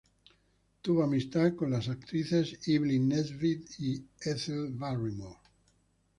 Tuvo amistad con las actrices Evelyn Nesbit y Ethel Barrymore.